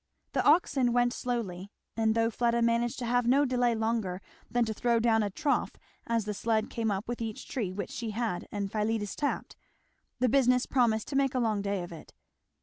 The oxen went slowly, and though Fleda managed to have no delay longer than to throw down a trough as the sled came up with each tree which she and Philetus had tapped, the business promised to make a long day of it.